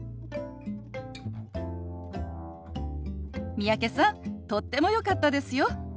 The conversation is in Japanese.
三宅さんとってもよかったですよ。